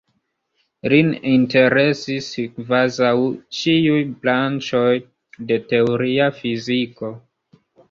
Lin interesis kvazaŭ ĉiuj branĉoj de teoria fiziko.